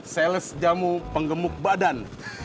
sales jamu penggemuk badan